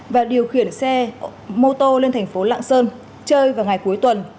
và điều khiển xe mô tô lên tp lạng sơn chơi vào ngày cuối tuần